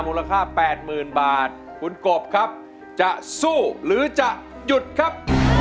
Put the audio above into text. มูลค่า๘๐๐๐บาทคุณกบครับจะสู้หรือจะหยุดครับ